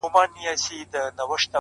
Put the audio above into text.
پوه انسان له هر چا څه زده کوي’